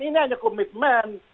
ini hanya komitmen